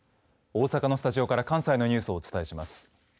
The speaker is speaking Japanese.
大阪のスタジオから関西のニュースをお伝えします。